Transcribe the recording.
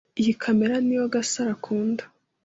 Iyi kamera niyo Gasaro akunda.